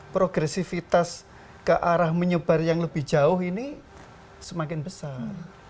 progresivitas ke arah menyebar yang lebih jauh ini semakin besar